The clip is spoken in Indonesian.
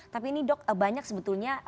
tapi ini dok banyak sebetulnya